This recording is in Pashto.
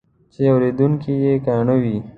چې اورېدونکي یې کاڼه وي.